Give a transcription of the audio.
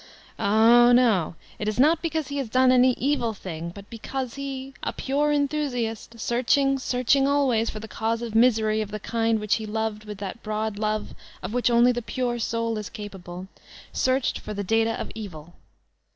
Ah, no; it is not because he has done any evil thing; but because he, a pure enthusiast, searching, searching always for the cause of misery of the kind which he loved with that broad love of which only the pure soul is capa ble, searched for the data of evil.